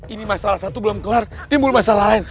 ini masalah satu belum kelar ini belum masalah lain